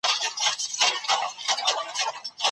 بریا د خلکو د ګډ افتخار سبب ګرځي.